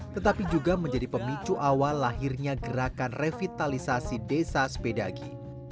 tetapi juga menjadi pemicu awal lahirnya gerakan revitalisasi desa sepedagi